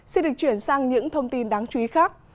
xin được chuyển sang những thông tin đáng chú ý khác